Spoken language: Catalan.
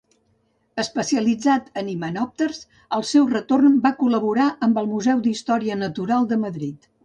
Especialitzat en himenòpters, al seu retorn va col·laborar amb el Museu d'Història Natural de Madrid.